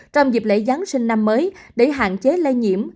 trong dịp lễ giáng sinh năm mới để hạn chế lây nhiễm